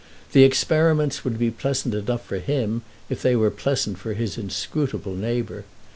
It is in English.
The experiments would be pleasant enough for him if they were pleasant for his inscrutable neighbour.